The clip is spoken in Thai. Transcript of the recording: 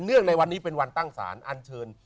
เนื่องในวันนี้เป็นวันตั้งสารอันเชิญ